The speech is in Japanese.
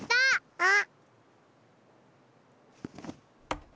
あっ！